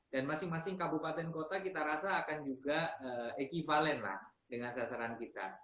dan masing masing kabupaten kota kita rasa akan juga ekivalen lah dengan sasaran kita